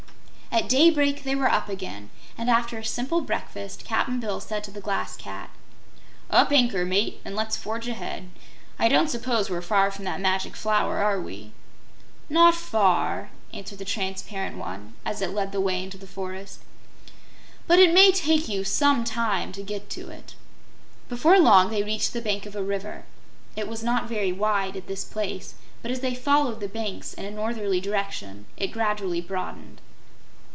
At daybreak they were up again, and after a simple breakfast Cap'n Bill said to the Glass Cat: "Up anchor, Mate, and let's forge ahead. I don't suppose we're far from that Magic Flower, are we?" "Not far," answered the transparent one, as it led the way into the forest, "but it may take you some time to get to it." Before long they reached the bank of a river. It was not very wide, at this place, but as they followed the banks in a northerly direction it gradually broadened.